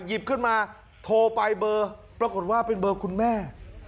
หยิบขึ้นมาโทรไปเบอร์ปรากฏว่าเป็นเบอร์คุณแม่